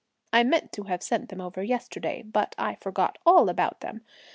I meant to have sent them over yesterday, but I forgot all about them.